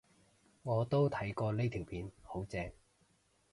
我都睇過呢條片，好正